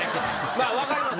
まあ分かります。